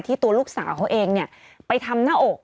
ตัวลูกสาวเขาเองไปทำหน้าอก